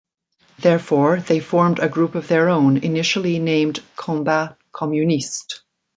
Therefore, they formed a group of their own, initially named Combat Communiste.